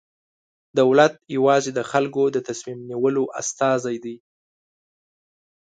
دولت یوازې د خلکو د تصمیم نیولو استازی دی.